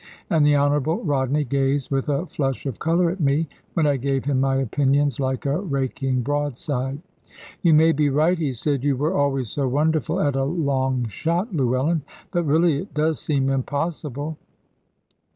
And the Honourable Rodney gazed with a flush of colour at me, when I gave him my opinions like a raking broadside. "You may be right," he said; "you were always so wonderful at a long shot, Llewellyn. But really it does seem impossible."